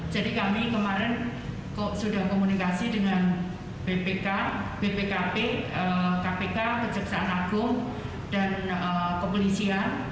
jadi kami kemarin sudah komunikasi dengan bpk bpkp kpk kejagung dan kepolisian